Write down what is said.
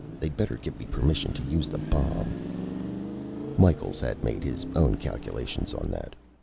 They'd better give me permission to use the bomb." Micheals had made his own calculations on that.